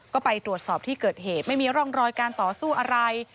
ก็ไปตรวจสอบที่เกิดเหตุไม่มีร่องรอยการต่อสู้อะไร